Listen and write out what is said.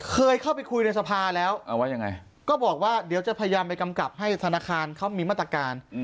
เคยเข้าไปคุยในสภาแล้วว่ายังไงก็บอกว่าเดี๋ยวจะพยายามไปกำกับให้ธนาคารเขามีมาตรการ